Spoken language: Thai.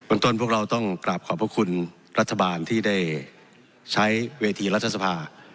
ต้นพวกเราต้องกราบขอบพระคุณรัฐบาลที่ได้ใช้เวทีรัฐสภา